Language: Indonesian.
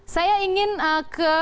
saya ingin ke